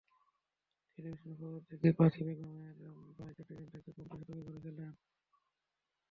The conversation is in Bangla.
টেলিভিশনে খবর দেখে পাখি বেগমের ভাই চট্টগ্রাম থেকে বোনকে সতর্ক করেছিলেন।